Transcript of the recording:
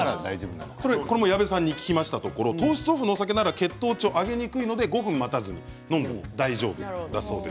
矢部さんに聞きました糖質オフのお酒なら血糖値が上げにくいので５分待たずに飲んでも大丈夫だそうです。